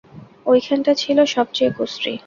ঐখানটা ছিল সব চেয়ে কুশ্রী।